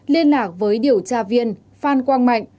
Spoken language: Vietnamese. liên lạc với điều tra viên phan quang mạnh